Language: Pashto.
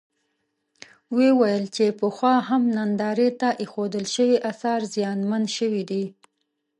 وویل چې پخوا هم نندارې ته اېښودل شوي اثار زیانمن شوي دي.